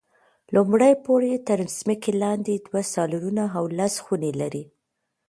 لومړی پوړ یې تر ځمکې لاندې دوه سالونونه او لس خونې لري.